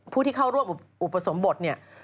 ผู้ที่เข้าร่วมอุปสรมบท